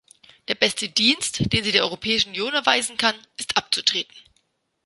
Der beste Dienst, den sie der Europäischen Union erweisen kann, ist abzutreten.